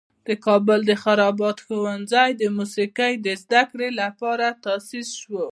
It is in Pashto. د کابل د خراباتو ښوونځی د موسیقي زده کړې لپاره تاسیس شو.